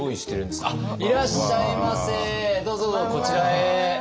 どうぞどうぞこちらへ。